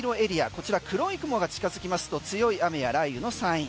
こちら黒い雲が近づきますと強い雨や雷雨のサイン。